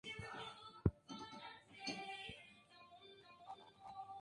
Como muchas otras en el grupo, ella era una paracaidista amateur.